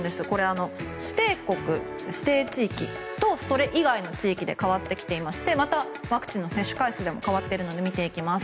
指定国、指定地域とそれ以外の地域で変わってきていましてワクチンの接種回数でも変わっているので見ていきます。